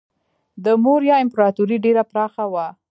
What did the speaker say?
د موریا امپراتوري ډیره پراخه وه.